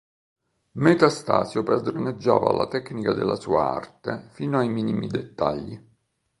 Metastasio padroneggiava la tecnica della sua arte fino ai minimi dettagli.